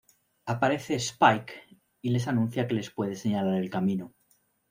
Aparece Spike y les anuncia que les puede señalar el camino.